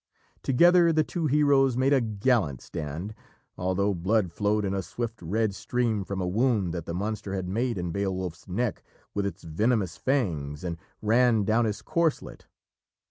Together the two heroes made a gallant stand, although blood flowed in a swift red stream from a wound that the monster had made in Beowulf's neck with its venomous fangs, and ran down his corselet.